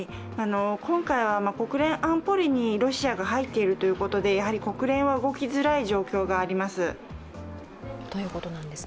今回は国連安保理にロシアが入っているということで、国連は動きづらい状況があります。